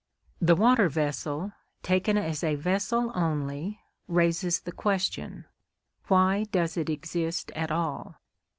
The water vessel, taken as a vessel only, raises the question, "Why does it exist at all?"